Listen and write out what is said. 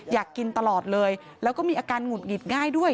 อยากกินตลอดเลยแล้วก็มีอาการหงุดหงิดง่ายด้วย